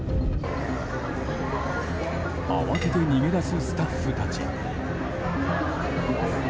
慌てて逃げ出すスタッフたち。